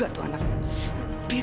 aku benar benar benar benar benar